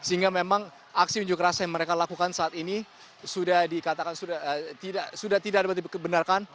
sehingga memang aksi unjuk rasa yang mereka lakukan saat ini sudah dikatakan sudah tidak dapat dibenarkan